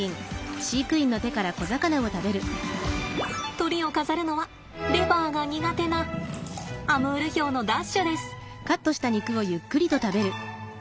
トリを飾るのはレバーが苦手なアムールヒョウのダッシュです。